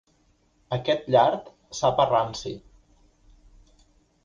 Aquest llard sap a ranci.